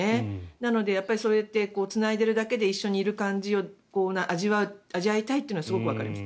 なので、そうやってつないでいるだけで一緒にいる感じを味わいたいというのはすごいわかります。